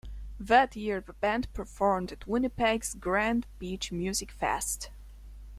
That year the band performed at Winnipeg's Grand Beach Music Fest.